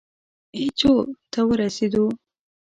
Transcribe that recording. اي جو ته ورسېدو.